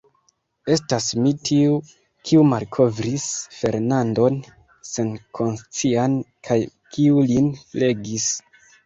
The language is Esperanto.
Estas mi tiu, kiu malkovris Fernandon senkonscian, kaj kiu lin flegis.